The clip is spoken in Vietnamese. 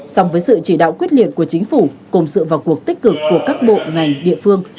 song với sự chỉ đạo quyết liệt của chính phủ cùng sự vào cuộc tích cực của các bộ ngành địa phương